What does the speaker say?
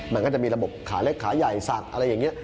มันก็จะมีระบบขาเล็กขาใหญ่ศักดิ์อะไรอย่างนี้